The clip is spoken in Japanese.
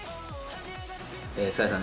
サーヤさん